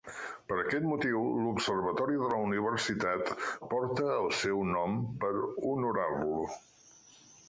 Per aquest motiu, l'observatori de la universitat porta el seu nom per honorar-lo.